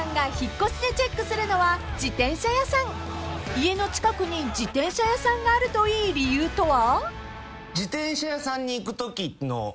［家の近くに自転車屋さんがあるといい理由とは？］